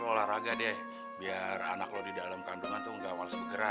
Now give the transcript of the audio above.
olahraga deh biar anak lo di dalam kandungan tuh nggak males bergerak